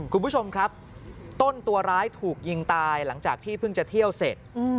คุณผู้ชมครับต้นตัวร้ายถูกยิงตายหลังจากที่เพิ่งจะเที่ยวเสร็จ